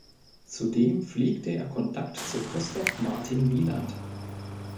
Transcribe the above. Zudem pflegte er Kontakt zu Christoph Martin Wieland.